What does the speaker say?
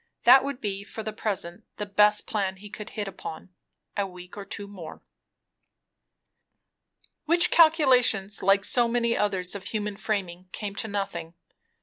That would be, for the present, the best plan he could hit upon. A week or two more Which calculations, like so many others of human framing, came to nothing.